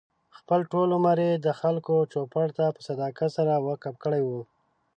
خپل ټول عمر یې د خلکو چوپـړ ته په صداقت سره وقف کړی و.